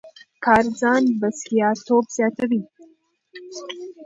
کار ځان بسیا توب زیاتوي.